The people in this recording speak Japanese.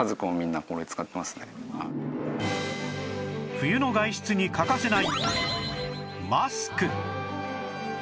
冬の外出に欠かせない